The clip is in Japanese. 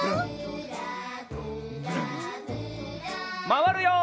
まわるよ。